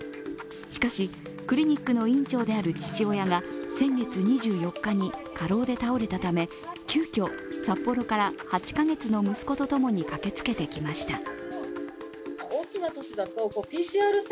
しかし、クリニックの院長である父親が先月２４日に過労で倒れたため、急きょ、札幌から８カ月の息子と共に駆けつけてきました。